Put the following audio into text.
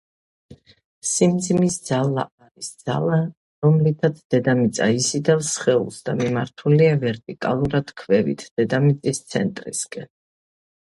სიმძიმის ძალა არის ძალა, რომლოთაც დედამიწა იზიდავს სხეულს და მიმართულია ვერტიკალურად ქვევით, დედამიწის ცენტრისაკენ.